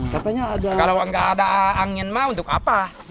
kalau gak ada angin mah untuk apa